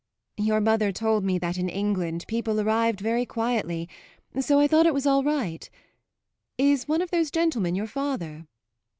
"Your mother told me that in England people arrived very quietly; so I thought it was all right. Is one of those gentlemen your father?"